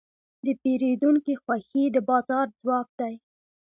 د پیرودونکي خوښي د بازار ځواک دی.